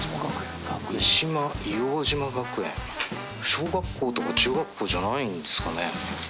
小学校とか中学校じゃないんですかね。